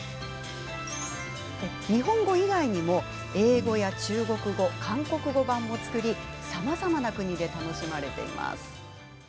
日本語以外にも英語や中国語、韓国語版も作りさまざまな国で楽しまれています。